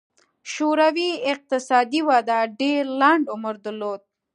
شوروي اقتصادي وده ډېر لنډ عمر درلود.